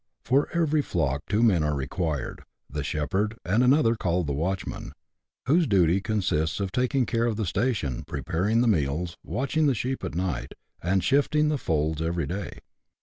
For every flock two men are required, the shepherd, and another called the watchman, whose duty consists in taking care of the station, preparing the meals, watching the sheep at night, and shifting the folds every day.